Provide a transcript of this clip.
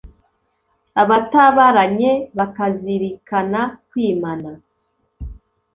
abatabaranye bakazirikana kwimana